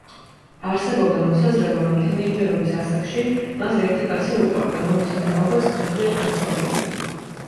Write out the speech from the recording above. არსებობდა მოსაზრება, რომ თინეიჯერობის ასაკში მას ერთი კაცი უყვარდა, რომლის ვინაობაც დღემდე უცნობია.